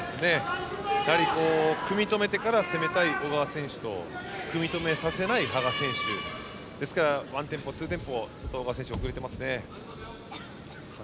やはり組み止めてから攻めたい小川選手と組み止めさせない羽賀選手ですからワンテンポ、ツーテンポ小川選手、遅れてますね。